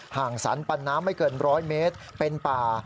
งสรรปันน้ำไม่เกิน๑๐๐เมตรเป็นป่า